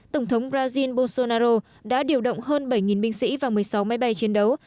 tổng thống brazil bolsonaro đã điều động hơn bảy binh sĩ và một mươi sáu máy bay chiến đấu